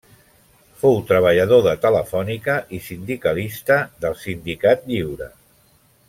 Fou treballador de telefònica i sindicalista del Sindicat Lliure.